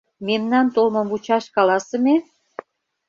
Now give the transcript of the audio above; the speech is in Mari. Мемнан толмым вучаш каласыме?